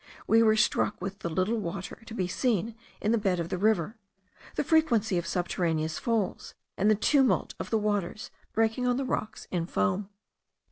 We were struck with the little water to be seen in the bed of the river, the frequency of subterraneous falls, and the tumult of the waters breaking on the rocks in foam.